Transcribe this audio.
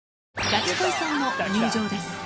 ガチ恋さんの入場です。